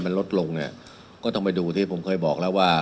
มันลดลงเนี่ยก็ต้องไปดูที่ผมเคยบอกแล้วว่า